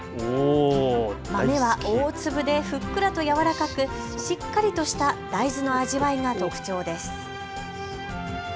豆は大粒でふっくらとやわらかくしっかりとした大豆の味わいが特徴です。